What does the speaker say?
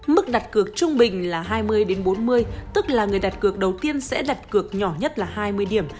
mức đặt cực trung bình là hai mươi đến bốn mươi tức là người đặt cực đầu tiên sẽ đặt cực nhỏ nhất là hai mươi điểm